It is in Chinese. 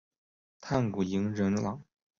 炭谷银仁朗。